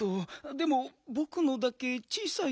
でもぼくのだけ小さい？